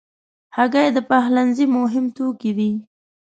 هګۍ د پخلنځي مهم توکي دي.